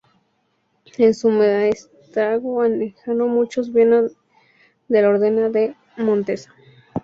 En su maestrazgo enajenó muchos bienes de la Orden de Montesa.